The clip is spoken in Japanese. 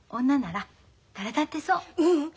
ううん。